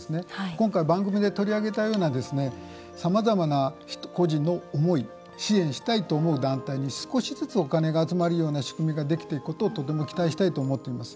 今回、番組で取り上げたようなさまざまな個人の思い支援したいという団体に少しずつお金が集まることを期待したいと思っています。